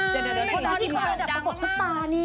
เดี๋ยวเพราะที่เขาอันดับประกอบสตาร์นี่